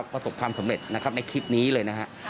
ประสบความสำเร็จนะครับในคลิปนี้เลยนะฮะ